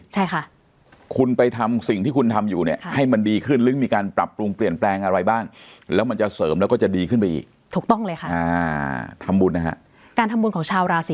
ใช่ค่ะคุณไปทำสิ่งที่คุณทำอยู่เนี้ยค่ะให้มันดีขึ้นหรือมีการปรับปรุงเปลี่ยนแปลงอะไรบ้าง